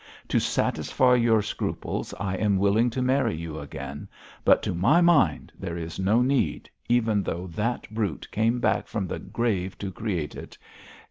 To satisfy your scruples I am willing to marry you again; but to my mind there is no need, even though that brute came back from the grave to create it.